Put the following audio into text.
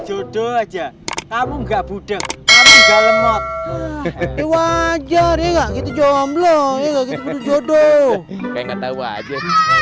jodoh aja kamu enggak budeng kamu ga lemot wajar enggak gitu jomblo jodoh enggak tahu aja